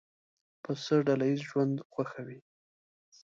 پسه ډله ییز ژوند خوښوي.